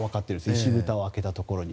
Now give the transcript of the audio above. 内ふたを開けたところに。